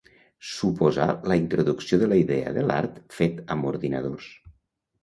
Suposà la introducció de la idea de l'art fet amb ordinadors.